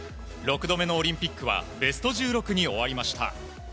６度目のオリンピックは、ベスト１６に終わりました。